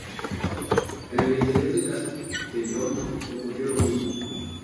En el interior de Castellón ocurrió lo mismo.